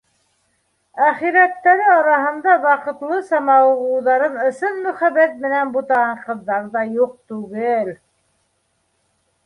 Әхирәттәре араһында ваҡытлыса мауығыуҙарын ысын мөхәббәт менән бутаған ҡыҙҙар ҙа юҡ түгел